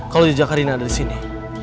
kau di jakarina ada disini